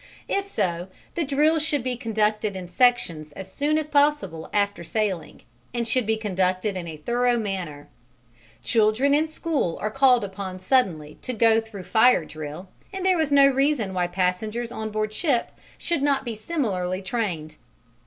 If so, the drill should be conducted in sections as soon as possible after sailing, and should be conducted in a thorough manner. Children in school are called upon suddenly to go through fire drill, and there is no reason why passengers on board ship should not be similarly trained.